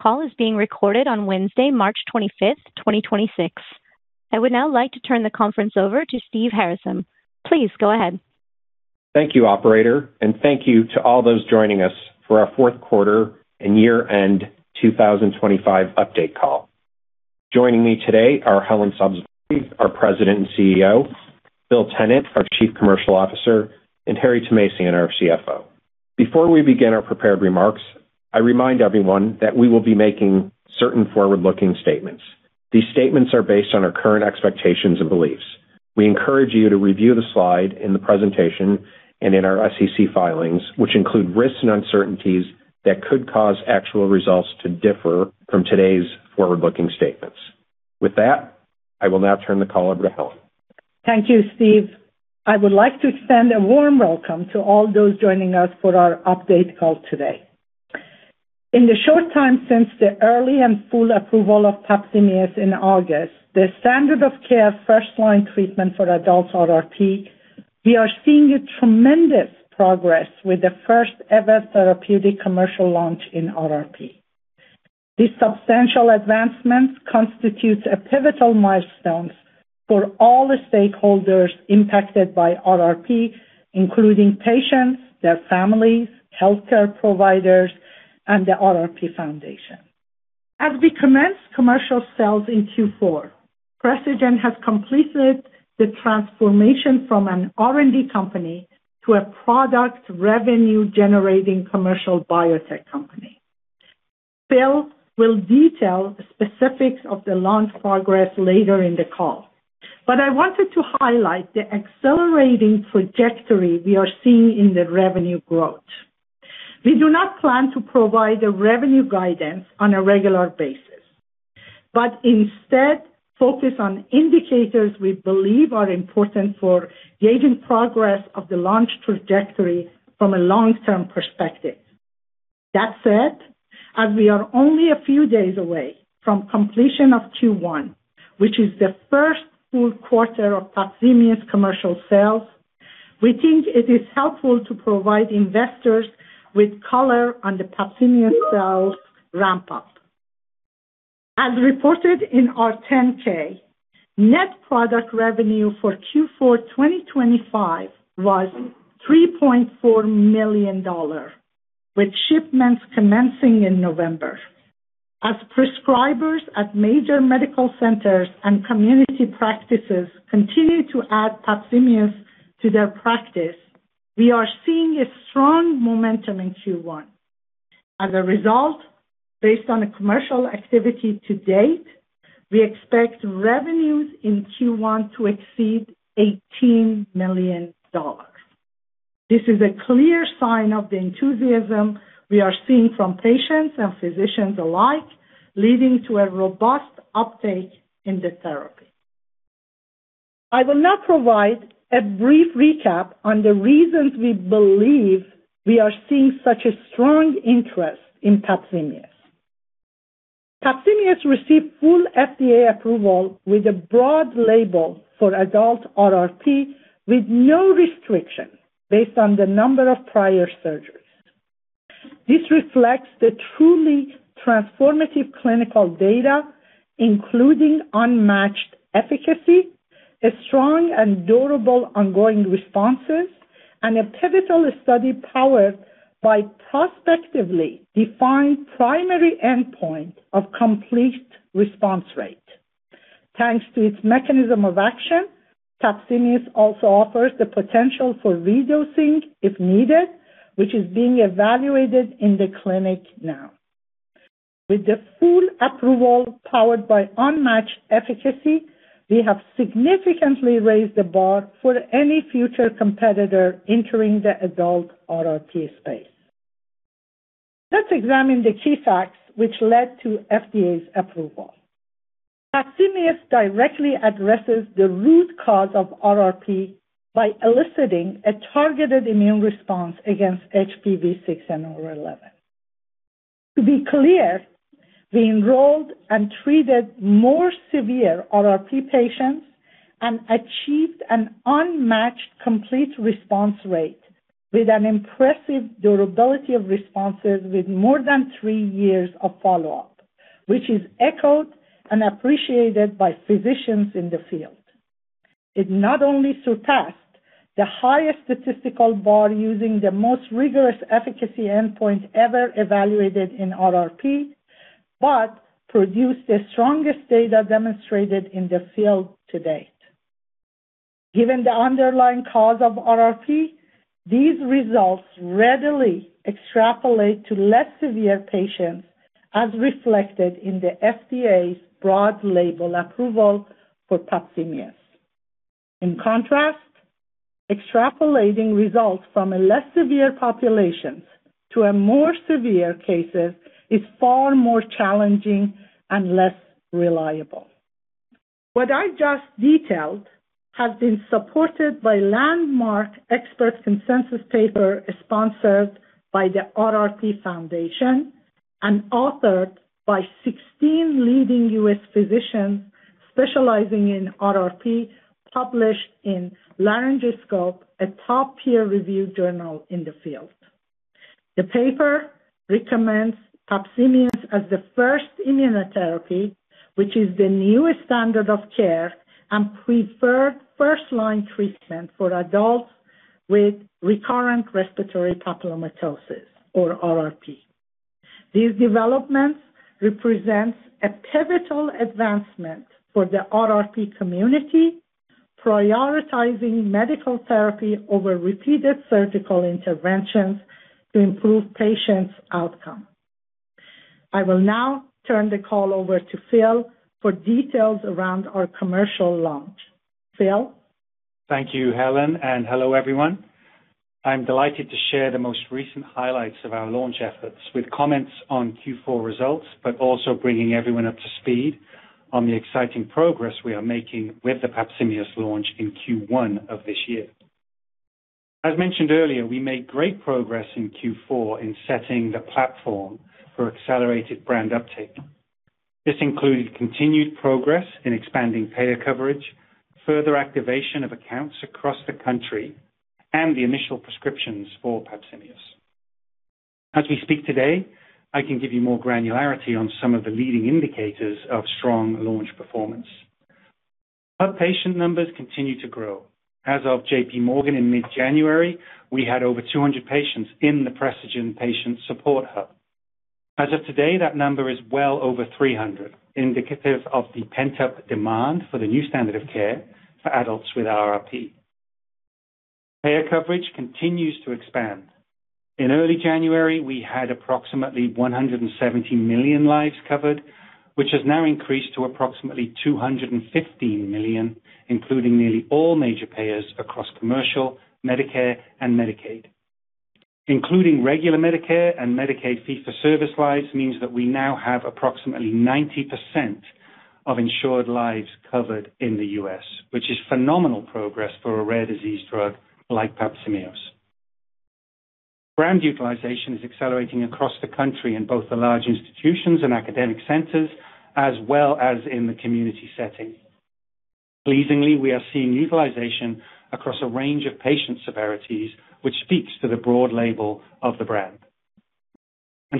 Call is being recorded on Wednesday, March 25, 2026. I would now like to turn the conference over to Steve Harrison. Please go ahead. Thank you, operator, and thank you to all those joining us for our fourth quarter and year-end 2025 update call. Joining me today are Helen Sabzevari, our President and CEO, Phil Tennant, our Chief Commercial Officer, and Harry Thomasian, our CFO. Before we begin our prepared remarks, I remind everyone that we will be making certain forward-looking statements. These statements are based on our current expectations and beliefs. We encourage you to review the slide in the presentation and in our SEC filings, which include risks and uncertainties that could cause actual results to differ from today's forward-looking statements. With that, I will now turn the call over to Helen. Thank you, Steve. I would like to extend a warm welcome to all those joining us for our update call today. In the short time since the early and full approval of PAPZIMEOS in August, the standard of care first-line treatment for adult RRP, we are seeing a tremendous progress with the first-ever therapeutic commercial launch in RRP. These substantial advancements constitutes a pivotal milestones for all the stakeholders impacted by RRP, including patients, their families, healthcare providers, and the RRP Foundation. As we commence commercial sales in Q4, Precigen has completed the transformation from an R&D company to a product revenue-generating commercial biotech company. Phil will detail the specifics of the launch progress later in the call. I wanted to highlight the accelerating trajectory we are seeing in the revenue growth. We do not plan to provide a revenue guidance on a regular basis, but instead focus on indicators we believe are important for gauging progress of the launch trajectory from a long-term perspective. That said, as we are only a few days away from completion of Q1, which is the first full quarter of PAPZIMEOS commercial sales, we think it is helpful to provide investors with color on the PAPZIMEOS sales ramp up. As reported in our 10-K, net product revenue for Q4 2025 was $3.4 million, with shipments commencing in November. As prescribers at major medical centers and community practices continue to add PAPZIMEOS to their practice, we are seeing a strong momentum in Q1. As a result, based on the commercial activity to date, we expect revenues in Q1 to exceed $18 million. This is a clear sign of the enthusiasm we are seeing from patients and physicians alike, leading to a robust uptake in the therapy. I will now provide a brief recap on the reasons we believe we are seeing such a strong interest in PAPZIMEOS. PAPZIMEOS received full FDA approval with a broad label for adult RRP with no restriction based on the number of prior surgeries. This reflects the truly transformative clinical data, including unmatched efficacy, a strong and durable ongoing responses, and a pivotal study powered by prospectively defined primary endpoint of complete response rate. Thanks to its mechanism of action, PAPZIMEOS also offers the potential for re-dosing if needed, which is being evaluated in the clinic now. With the full approval powered by unmatched efficacy, we have significantly raised the bar for any future competitor entering the adult RRP space. Let's examine the key facts which led to FDA's approval. PAPZIMEOS directly addresses the root cause of RRP by eliciting a targeted immune response against HPV 6 and HPV 11. To be clear, we enrolled and treated more severe RRP patients and achieved an unmatched complete response rate with an impressive durability of responses with more than three years of follow-up, which is echoed and appreciated by physicians in the field. It not only surpassed the highest statistical bar using the most rigorous efficacy endpoint ever evaluated in RRP, but produced the strongest data demonstrated in the field to date. Given the underlying cause of RRP, these results readily extrapolate to less severe patients, as reflected in the FDA's broad label approval for PAPZIMEOS. In contrast, extrapolating results from a less severe population to more severe cases is far more challenging and less reliable. What I just detailed has been supported by landmark expert consensus paper sponsored by the RRP Foundation and authored by 16 leading U.S. physicians specializing in RRP published in Laryngoscope, a top peer-reviewed journal in the field. The paper recommends PAPZIMEOS as the first immunotherapy, which is the newest standard of care and preferred first-line treatment for adults with recurrent respiratory papillomatosis or RRP. These developments represents a pivotal advancement for the RRP community, prioritizing medical therapy over repeated surgical interventions to improve patients' outcome. I will now turn the call over to Phil for details around our commercial launch. Phil? Thank you, Helen, and hello, everyone. I'm delighted to share the most recent highlights of our launch efforts with comments on Q4 results, but also bringing everyone up to speed on the exciting progress we are making with the PAPZIMEOS launch in Q1 of this year. As mentioned earlier, we made great progress in Q4 in setting the platform for accelerated brand uptake. This included continued progress in expanding payer coverage, further activation of accounts across the country, and the initial prescriptions for PAPZIMEOS. As we speak today, I can give you more granularity on some of the leading indicators of strong launch performance. Hub patient numbers continue to grow. As of JP Morgan in mid-January, we had over 200 patients in the Precigen patient support hub. As of today, that number is well over 300, indicative of the pent-up demand for the new standard of care for adults with RRP. Payer coverage continues to expand. In early January, we had approximately 170 million lives covered, which has now increased to approximately 215 million, including nearly all major payers across commercial, Medicare, and Medicaid. Including regular Medicare and Medicaid fee-for-service lives means that we now have approximately 90% of insured lives covered in the U.S., which is phenomenal progress for a rare disease drug like PAPZIMEOS. Brand utilization is accelerating across the country in both the large institutions and academic centers, as well as in the community setting. Pleasingly, we are seeing utilization across a range of patient severities, which speaks to the broad label of the brand.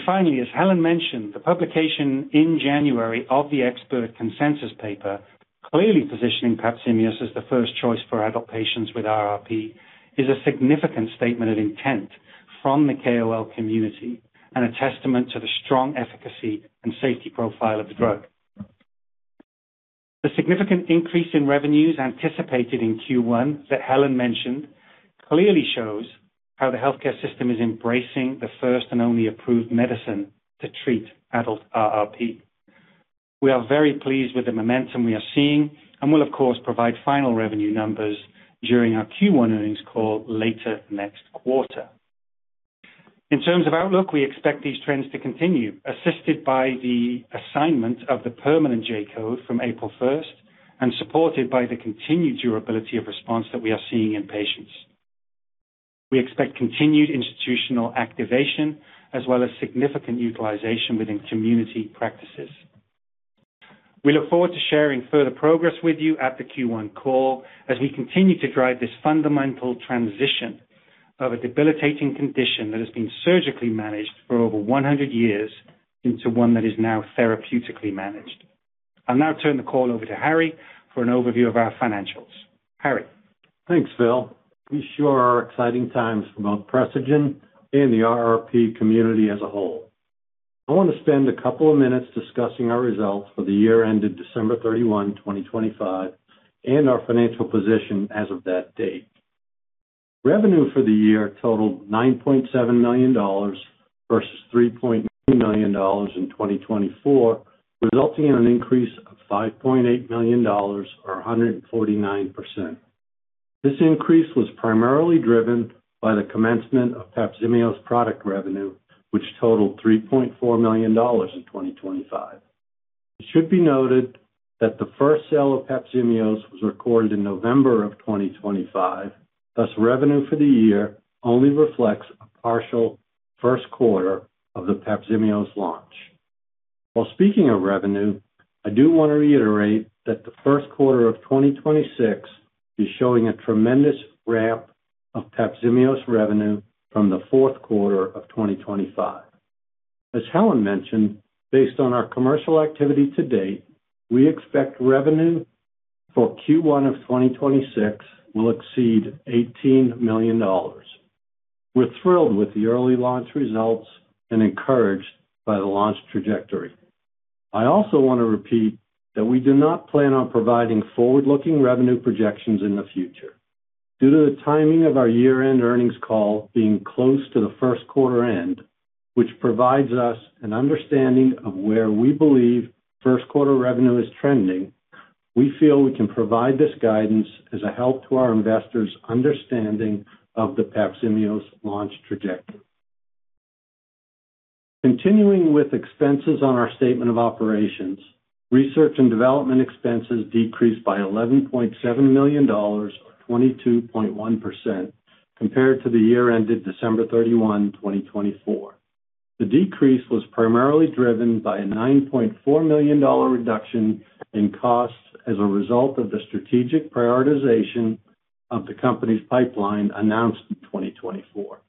Finally, as Helen mentioned, the publication in January of the expert consensus paper, clearly positioning PAPZIMEOS as the first choice for adult patients with RRP, is a significant statement of intent from the KOL community and a testament to the strong efficacy and safety profile of the drug. The significant increase in revenues anticipated in Q1 that Helen mentioned clearly shows how the healthcare system is embracing the first and only approved medicine to treat adult RRP. We are very pleased with the momentum we are seeing and will of course, provide final revenue numbers during our Q1 earnings call later next quarter. In terms of outlook, we expect these trends to continue, assisted by the assignment of the permanent J-code from April first and supported by the continued durability of response that we are seeing in patients. We expect continued institutional activation as well as significant utilization within community practices. We look forward to sharing further progress with you at the Q1 call as we continue to drive this fundamental transition of a debilitating condition that has been surgically managed for over 100 years into one that is now therapeutically managed. I'll now turn the call over to Harry for an overview of our financials. Harry? Thanks, Bill. These sure are exciting times for both Precigen and the RRP community as a whole. I want to spend a couple of minutes discussing our results for the year ended December 31, 2025, and our financial position as of that date. Revenue for the year totaled $9.7 million versus $3.8 million in 2024, resulting in an increase of $5.8 million or 149%. This increase was primarily driven by the commencement of PAPZIMEOS product revenue, which totaled $3.4 million in 2025. It should be noted that the first sale of PAPZIMEOS was recorded in November 2025, thus revenue for the year only reflects a partial first quarter of the PAPZIMEOS launch. While speaking of revenue, I do want to reiterate that the first quarter of 2026 is showing a tremendous ramp of PAPZIMEOS revenue from the fourth quarter of 2025. As Helen mentioned, based on our commercial activity to date, we expect revenue for Q1 of 2026 will exceed $18 million. We're thrilled with the early launch results and encouraged by the launch trajectory. I also want to repeat that we do not plan on providing forward-looking revenue projections in the future. Due to the timing of our year-end earnings call being close to the first quarter end, which provides us an understanding of where we believe first quarter revenue is trending, we feel we can provide this guidance as a help to our investors' understanding of the PAPZIMEOS launch trajectory. Continuing with expenses on our statement of operations, research and development expenses decreased by $11.7 million or 22.1% compared to the year ended December 31, 2024. The decrease was primarily driven by a $9.4 million reduction in costs as a result of the strategic prioritization of the company's pipeline announced in 2024.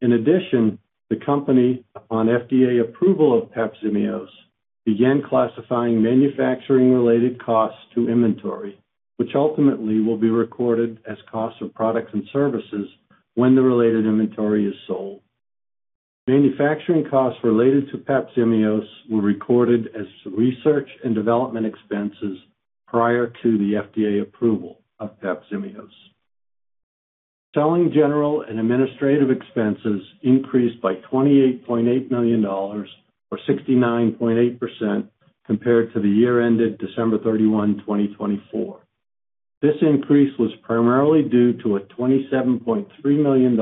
In addition, the company, upon FDA approval of PAPZIMEOS, began classifying manufacturing-related costs to inventory, which ultimately will be recorded as cost of products and services when the related inventory is sold. Manufacturing costs related to PAPZIMEOS were recorded as research and development expenses prior to the FDA approval of PAPZIMEOS. Selling, general and administrative expenses increased by $28.8 million, or 69.8%, compared to the year ended December 31, 2024. This increase was primarily due to a $27.3 million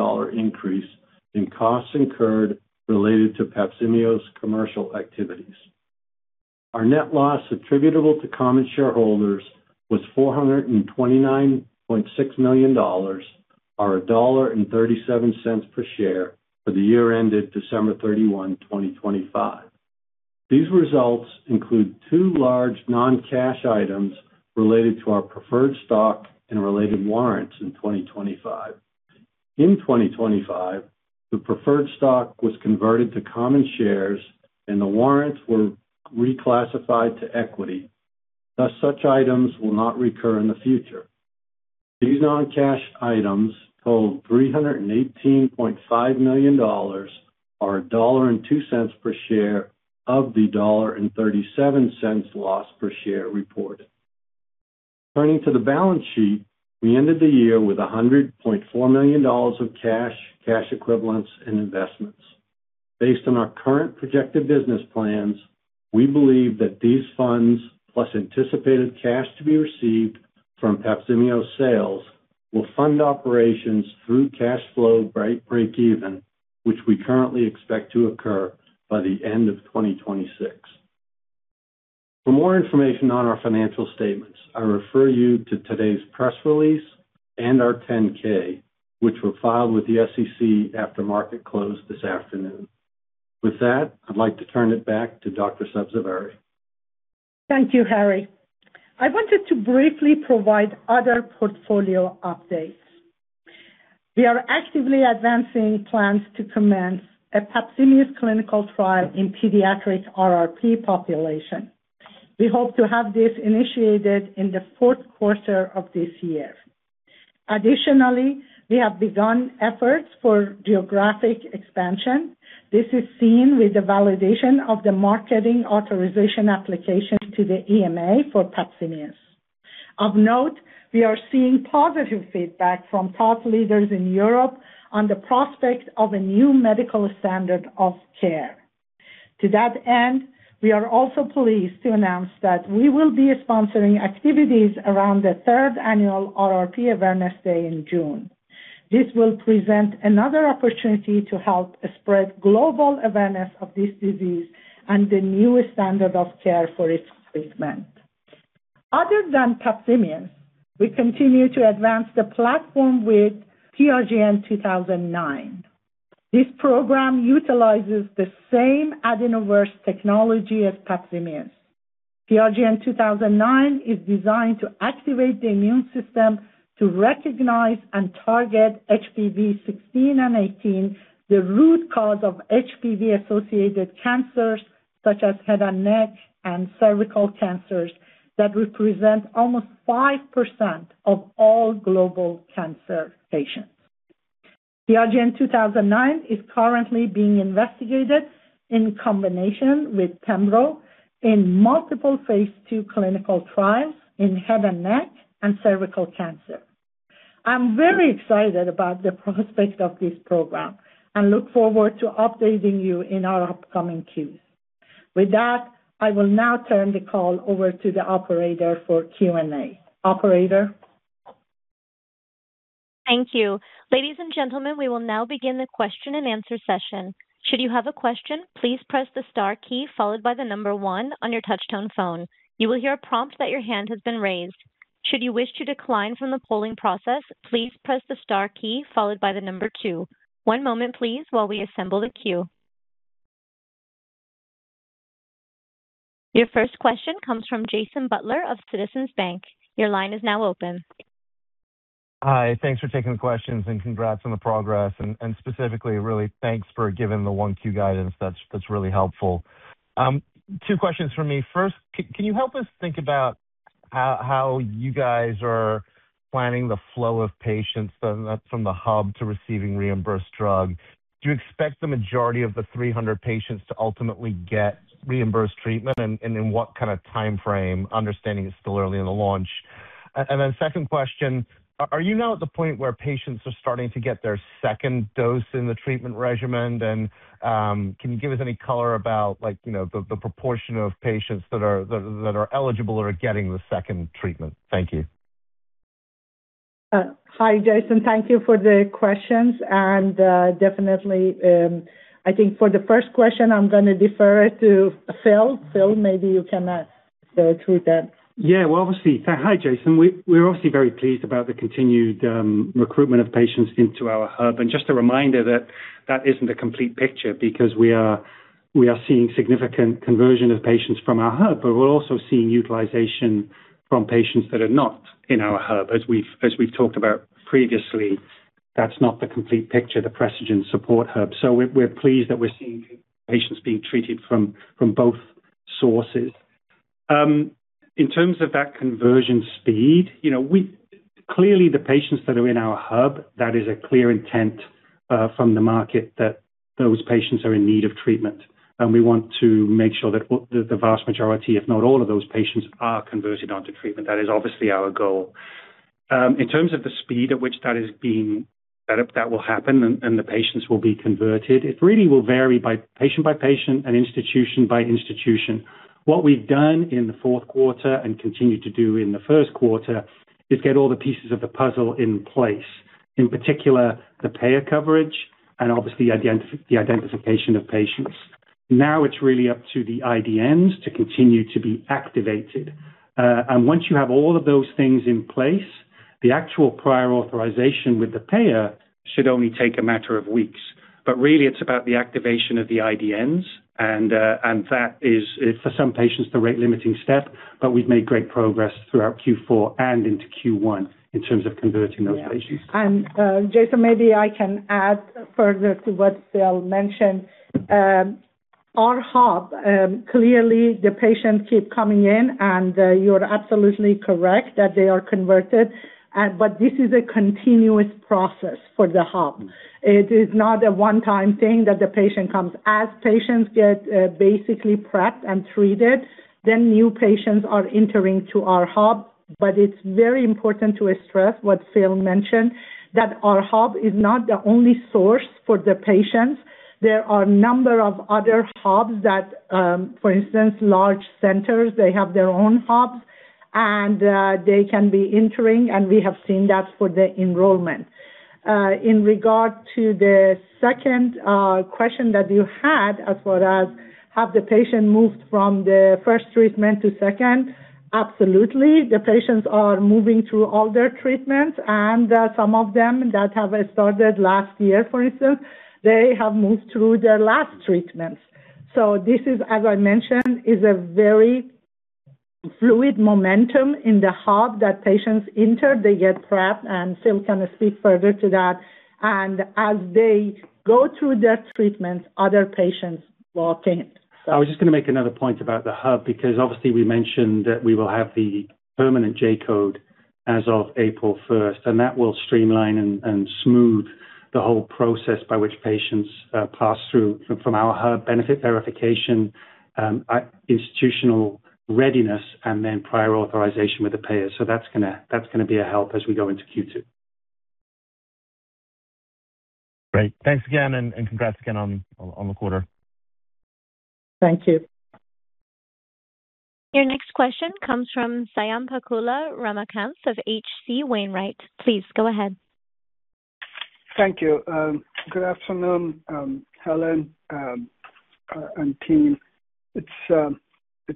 increase in costs incurred related to PAPZIMEOS commercial activities. Our net loss attributable to common shareholders was $429.6 million or $1.37 per share for the year ended December 31, 2025. These results include two large non-cash items related to our preferred stock and related warrants in 2025. In 2025, the preferred stock was converted to common shares and the warrants were reclassified to equity. Thus, such items will not recur in the future. These non-cash items totaled $318.5 million or $1.02 per share of the $1.37 loss per share reported. Turning to the balance sheet, we ended the year with $100.4 million of cash equivalents and investments. Based on our current projected business plans, we believe that these funds, plus anticipated cash to be received from PAPZIMEOS sales, will fund operations through cash flow breakeven, which we currently expect to occur by the end of 2026. For more information on our financial statements, I refer you to today's press release and our 10-K, which were filed with the SEC after market closed this afternoon. With that, I'd like to turn it back to Dr. Sabzevari. Thank you, Harry. I wanted to briefly provide other portfolio updates. We are actively advancing plans to commence a PAPZIMEOS clinical trial in pediatric RRP population. We hope to have this initiated in the fourth quarter of this year. Additionally, we have begun efforts for geographic expansion. This is seen with the validation of the Marketing Authorization Application to the EMA for PAPZIMEOS. Of note, we are seeing positive feedback from thought leaders in Europe on the prospect of a new medical standard of care. To that end, we are also pleased to announce that we will be sponsoring activities around the third annual RRP Awareness Day in June. This will present another opportunity to help spread global awareness of this disease and the new standard of care for its treatment. Other than PAPZIMEOS, we continue to advance the platform with PRGN-2009. This program utilizes the same adenovirus technology as PAPZIMEOS. PRGN-2009 is designed to activate the immune system to recognize and target HPV 16 and HPV 18, the root cause of HPV-associated cancers such as head and neck and cervical cancers that represent almost 5% of all global cancer patients. PRGN-2009 is currently being investigated in combination with pembrolizumab in multiple Phase II clinical trials in head and neck and cervical cancer. I'm very excited about the prospect of this program and look forward to updating you in our upcoming Q&As. With that, I will now turn the call over to the operator for Q&A. Operator? Thank you. Ladies and gentlemen, we will now begin the question-and-answer session. Should you have a question, please press the star key followed by the number one on your touchtone phone. You will hear a prompt that your hand has been raised. Should you wish to decline from the polling process, please press the star key followed by the number two. One moment please while we assemble the queue. Your first question comes from Jason Butler of Citizens JMP. Your line is now open. Hi. Thanks for taking the questions and congrats on the progress. Specifically, really thanks for giving the 1Q guidance. That's really helpful. Two questions from me. First, can you help us think about how you guys are planning the flow of patients from the hub to receiving reimbursed drug? Do you expect the majority of the 300 patients to ultimately get reimbursed treatment? In what kind of timeframe, understanding it's still early in the launch? Second question, are you now at the point where patients are starting to get their second dose in the treatment regimen? Can you give us any color about like, you know, the proportion of patients that are eligible or getting the second treatment? Thank you. Hi, Jason. Thank you for the questions. Definitely, I think for the first question, I'm gonna defer it to Phil. Phil, maybe you can. Yeah, well, obviously. Hi, Jason. We're obviously very pleased about the continued recruitment of patients into our hub. Just a reminder that that isn't a complete picture because we are seeing significant conversion of patients from our hub, but we're also seeing utilization from patients that are not in our hub. As we've talked about previously, that's not the complete picture, the Precigen support hub. We're pleased that we're seeing patients being treated from both sources. In terms of that conversion speed, you know, clearly, the patients that are in our hub, that is a clear intent from the market that those patients are in need of treatment. We want to make sure that the vast majority, if not all of those patients, are converted onto treatment. That is obviously our goal. In terms of the speed at which that is being set up, that will happen and the patients will be converted. It really will vary by patient by patient and institution by institution. What we've done in the fourth quarter and continue to do in the first quarter is get all the pieces of the puzzle in place, in particular the payer coverage and obviously the identification of patients. Now it's really up to the IDNs to continue to be activated. Once you have all of those things in place, the actual prior authorization with the payer should only take a matter of weeks. Really, it's about the activation of the IDNs and that is for some patients the rate limiting step, but we've made great progress throughout Q4 and into Q1 in terms of converting those patients. Yeah. Jason, maybe I can add further to what Bill mentioned. Our hub, clearly, the patients keep coming in, and you're absolutely correct that they are converted, but this is a continuous process for the hub. It is not a one-time thing that the patient comes. As patients get basically prepped and treated, then new patients are entering to our hub. It's very important to stress what Bill mentioned, that our hub is not the only source for the patients. There are a number of other hubs that, for instance, large centers, they have their own hubs, and they can be entering, and we have seen that for the enrollment. In regard to the second question that you had as far as have the patient moved from the first treatment to second, absolutely. The patients are moving through all their treatments and some of them that have started last year, for instance, they have moved through their last treatments. This is, as I mentioned, a very fluid momentum in the hub that patients enter, they get prepped, and Phil can speak further to that. As they go through their treatments, other patients walk in. I was just gonna make another point about the hub, because obviously we mentioned that we will have the permanent J-code as of April first, and that will streamline and smooth the whole process by which patients pass through from our hub benefit verification, institutional readiness and then prior authorization with the payer. That's gonna be a help as we go into Q2. Great. Thanks again and congrats again on the quarter. Thank you. Your next question comes from Swayampakula Ramakanth of H.C. Wainwright. Please go ahead. Thank you. Good afternoon, Helen and team. It's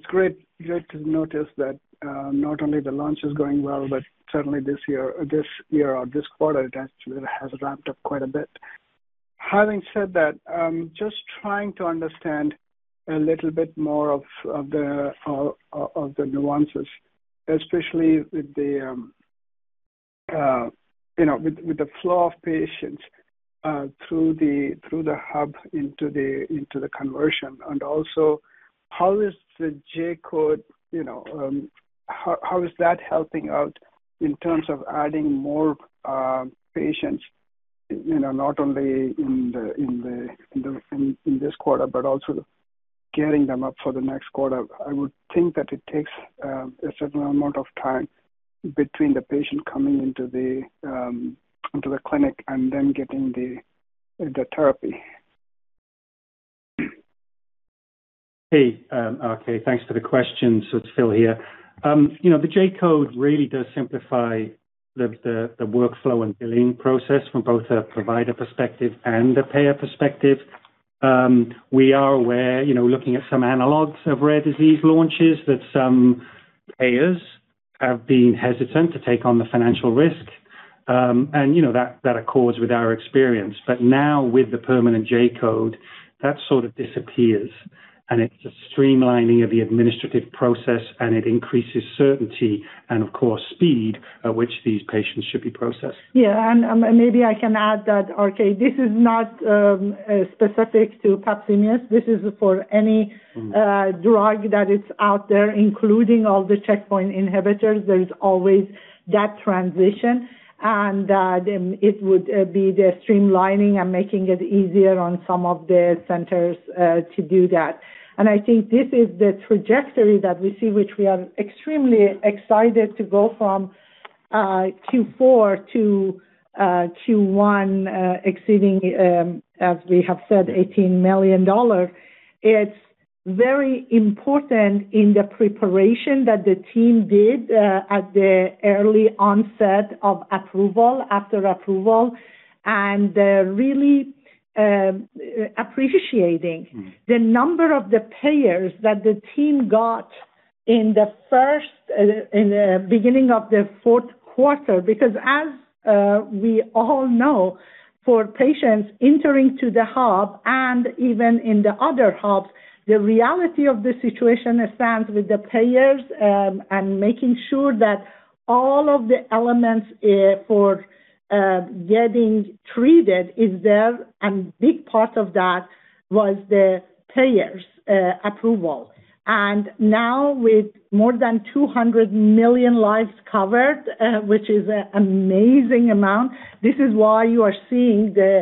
great here to notice that not only the launch is going well, but certainly this year or this quarter it actually has ramped up quite a bit. Having said that, just trying to understand a little bit more of the nuances, especially with the, you know, with the flow of patients through the hub into the conversion and also how is the J-code, you know, how is that helping out in terms of adding more patients, you know, not only in this quarter but also getting them up for the next quarter? I would think that it takes a certain amount of time between the patient coming into the clinic and then getting the therapy. Hey, okay, thanks for the question. It's Phil here. You know, the J-code really does simplify the workflow and billing process from both a provider perspective and a payer perspective. We are aware, you know, looking at some analogs of rare disease launches, that some payers have been hesitant to take on the financial risk, and you know, that accords with our experience. Now with the permanent J-code, that sort of disappears, and it's a streamlining of the administrative process, and it increases certainty and of course, speed at which these patients should be processed. Yeah, maybe I can add that. Okay, this is not specific to PAPZIMEOS. This is for any drug that is out there, including all the checkpoint inhibitors. There is always that transition. Then it would be the streamlining and making it easier on some of the centers to do that. I think this is the trajectory that we see, which we are extremely excited to go from Q4 to Q1 exceeding, as we have said, $18 million. It's very important in the preparation that the team did at the early onset of approval, after approval, and appreciating the number of the payers that the team got in the beginning of the fourth quarter, because as we all know, for patients entering to the hub and even in the other hubs, the reality of the situation stands with the payers, and making sure that all of the elements for getting treated is there. Big part of that was the payers approval. Now, with more than 200 million lives covered, which is an amazing amount, this is why you are seeing the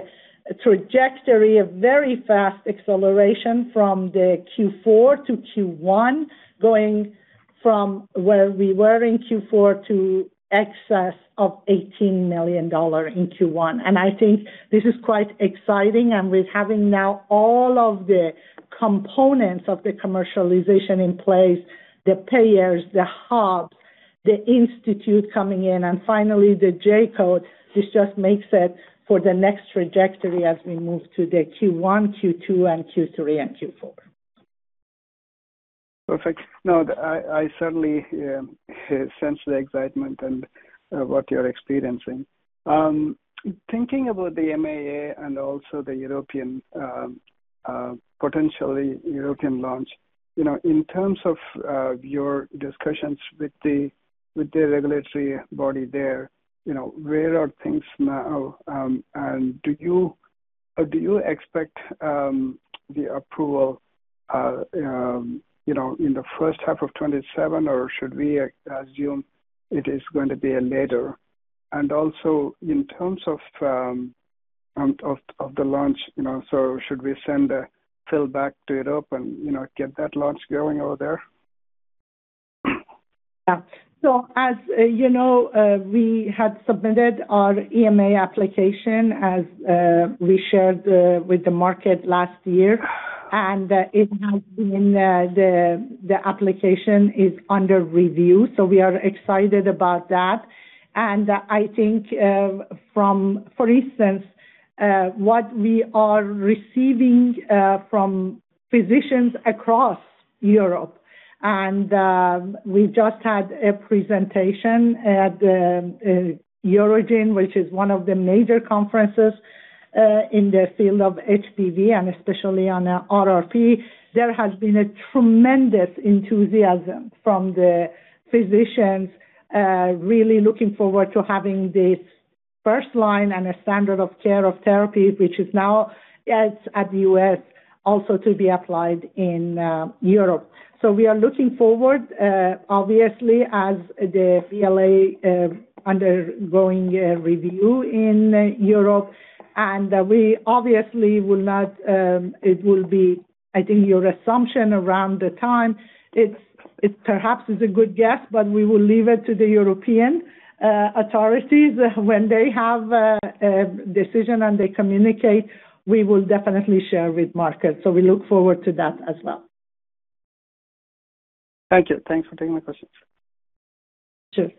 trajectory of very fast acceleration from the Q4 to Q1, going from where we were in Q4 to excess of $18 million in Q1. I think this is quite exciting. With having now all of the components of the commercialization in place, the payers, the hubs, the institute coming in, and finally the J-code, this just makes it for the next trajectory as we move to the Q1, Q2, and Q3, and Q4. Perfect. No, I certainly sense the excitement and what you're experiencing. Thinking about the MAA and also the potential European launch, you know, in terms of your discussions with the regulatory body there, you know, where are things now? Do you expect the approval, you know, in the first half of 2027, or should we assume it is going to be later? Also, in terms of the launch, you know, should we send Phil back to Europe and, you know, get that launch going over there? Yeah. As you know, we had submitted our EMA application as we shared with the market last year, and the application is under review, so we are excited about that. I think, for instance, what we are receiving from physicians across Europe and we just had a presentation at the Eurogin, which is one of the major conferences in the field of HPV and especially on RRP. There has been a tremendous enthusiasm from the physicians really looking forward to having this first line and a standard of care of therapy, which is now, as in the U.S., also to be applied in Europe. We are looking forward, obviously as the BLA undergoing a review in Europe and we obviously will not, it will be, I think your assumption around the time it's, it perhaps is a good guess, but we will leave it to the European authorities. When they have a decision and they communicate, we will definitely share with market. We look forward to that as well. Thank you. Thanks for taking my questions. Sure.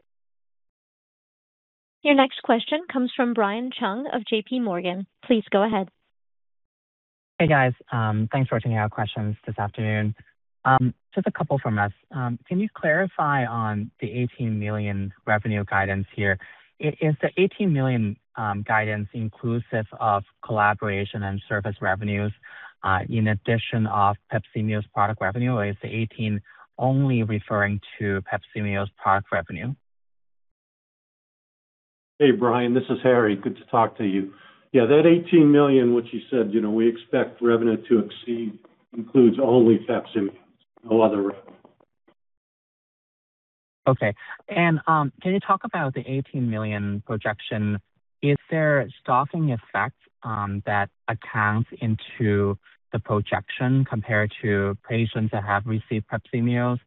Your next question comes from Brian Cheng of JP Morgan. Please go ahead. Hey, guys. Thanks for taking our questions this afternoon. Just a couple from us. Can you clarify on the $18 million revenue guidance here? Is the $18 million guidance inclusive of collaboration and service revenues in addition to PAPZIMEOS product revenue, or is the $18 only referring to PAPZIMEOS product revenue? Hey, Brian, this is Harry. Good to talk to you. Yeah, that $18 million, which you said, you know, we expect revenue to exceed, includes only PAPZIMEOS. No other revenue. Can you talk about the $18 million projection? Is there stocking effect that accounts into the projection compared to patients that have received PAPZIMEOS?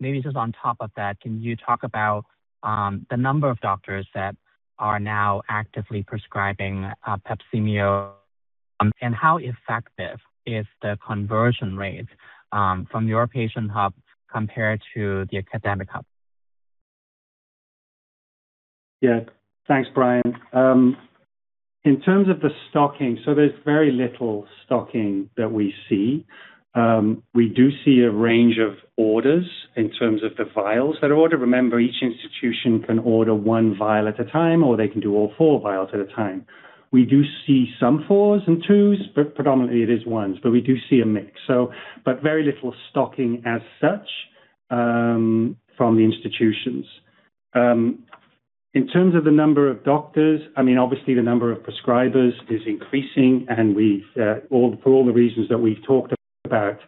Maybe just on top of that, can you talk about the number of doctors that are now actively prescribing PAPZIMEOS, and how effective is the conversion rate from your patient hub compared to the academic hub? Yeah. Thanks, Brian. In terms of the stocking, there's very little stocking that we see. We do see a range of orders in terms of the vials that are ordered. Remember, each institution can order one vial at a time, or they can do all four vials at a time. We do see some fours and twos, but predominantly it is ones, but we do see a mix. Very little stocking as such, from the institutions. In terms of the number of doctors, I mean, obviously the number of prescribers is increasing, and we've for all the reasons that we've talked about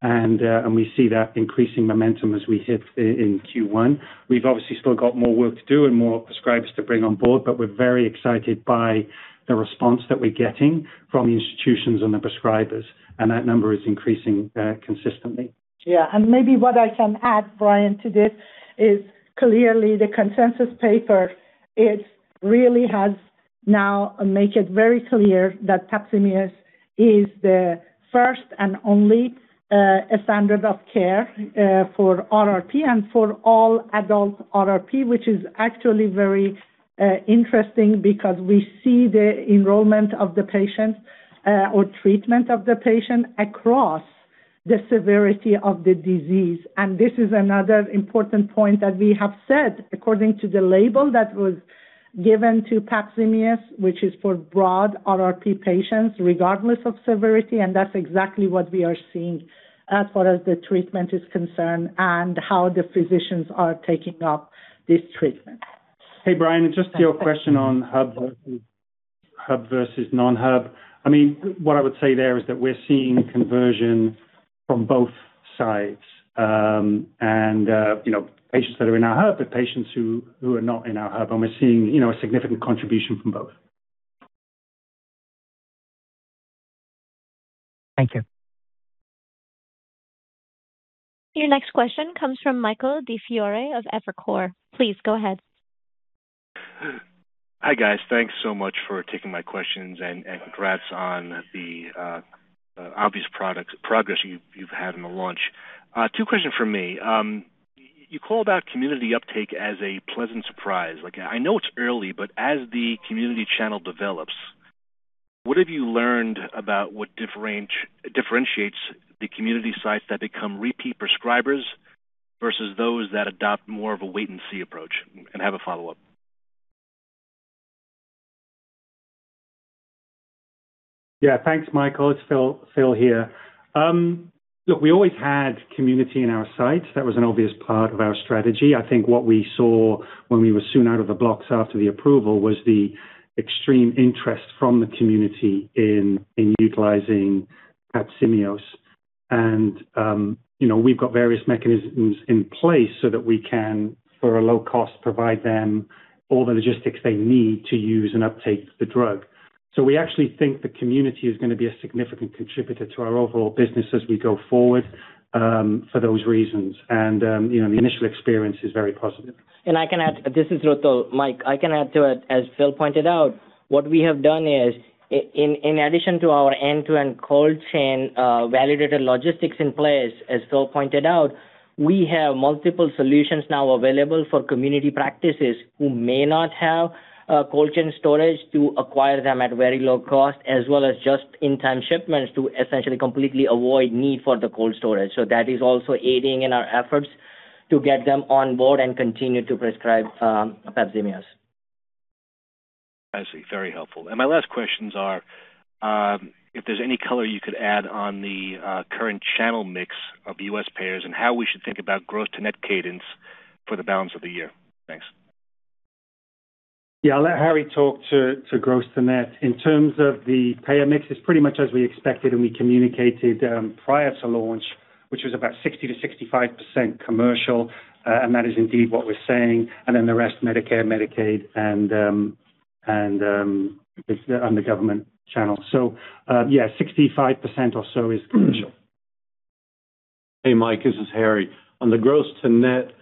and we see that increasing momentum as we hit in Q1. We've obviously still got more work to do and more prescribers to bring on board, but we're very excited by the response that we're getting from the institutions and the prescribers, and that number is increasing consistently. Yeah. Maybe what I can add, Brian, to this is clearly the consensus paper, it really has now make it very clear that PAPZIMEOS is the first and only standard of care for RRP and for all adult RRP, which is actually very interesting because we see the enrollment of the patients or treatment of the patient across the severity of the disease. This is another important point that we have said according to the label that was given to PAPZIMEOS, which is for broad RRP patients, regardless of severity. That's exactly what we are seeing as far as the treatment is concerned and how the physicians are taking up this treatment. Hey, Brian, just your question on hub versus non-hub. I mean, what I would say there is that we're seeing conversion from both sides. You know, patients that are in our hub are patients who are not in our hub, and we're seeing, you know, a significant contribution from both. Thank you. Your next question comes from Michael DiFiore of Evercore. Please go ahead. Hi, guys. Thanks so much for taking my questions, and congrats on the obvious progress you've had in the launch. Two questions from me. You call about community uptake as a pleasant surprise. Like, I know it's early, but as the community channel develops, what have you learned about what differentiates the community sites that become repeat prescribers versus those that adopt more of a wait and see approach? And have a follow-up. Yeah. Thanks, Michael. It's Phil here. Look, we always had community in our sights. That was an obvious part of our strategy. I think what we saw when we were soon out of the blocks after the approval was the extreme interest from the community in utilizing PAPZIMEOS. You know, we've got various mechanisms in place so that we can, for a low cost, provide them all the logistics they need to use and uptake the drug. So we actually think the community is gonna be a significant contributor to our overall business as we go forward, for those reasons. You know, the initial experience is very positive. I can add. This is Rutul. Mike, I can add to it. As Bill pointed out, what we have done is in addition to our end-to-end cold chain, validated logistics in place, as Bill pointed out, we have multiple solutions now available for community practices who may not have a cold chain storage to acquire them at very low cost, as well as just-in-time shipments to essentially completely avoid need for the cold storage. That is also aiding in our efforts to get them on board and continue to prescribe PAPZIMEOS. I see. Very helpful. My last questions are, if there's any color you could add on the current channel mix of U.S. payers and how we should think about gross-to-net cadence for the balance of the year. Thanks. Yeah. I'll let Harry talk to gross-to-net. In terms of the payer mix, it's pretty much as we expected and we communicated prior to launch, which was about 60%-65% commercial, and that is indeed what we're seeing, and then the rest Medicare, Medicaid, and it's on the government channel. Yeah, 65% or so is commercial. Hey, Mike, this is Harry. On the gross-to-net,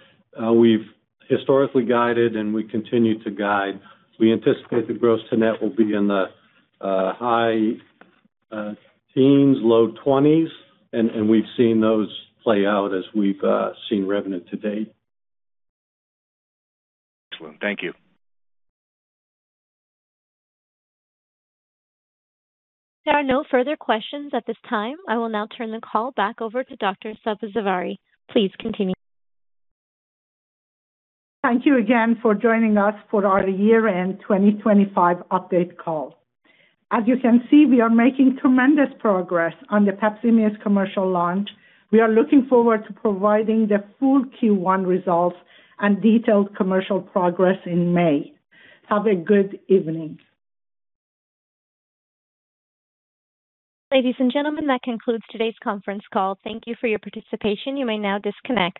we've historically guided and we continue to guide. We anticipate the gross-to-net will be in the high teens-low 20s, and we've seen those play out as we've seen revenue to date. Excellent. Thank you. There are no further questions at this time. I will now turn the call back over to Dr. Sabzevari. Please continue. Thank you again for joining us for our year-end 2025 update call. As you can see, we are making tremendous progress on the PAPZIMEOS commercial launch. We are looking forward to providing the full Q1 results and detailed commercial progress in May. Have a good evening. Ladies and gentlemen, that concludes today's conference call. Thank you for your participation. You may now disconnect.